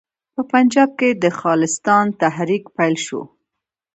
په پنجاب کې د خالصتان تحریک پیل شو.